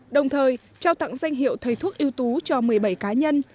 đồng thời trao tặng danh hiệu thầy thuốc ưu tú cho một mươi bảy cá nhân